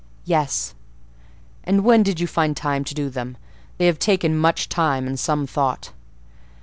"Yes." "And when did you find time to do them? They have taken much time, and some thought."